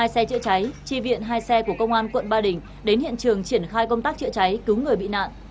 hai xe chữa cháy tri viện hai xe của công an quận ba đình đến hiện trường triển khai công tác chữa cháy cứu người bị nạn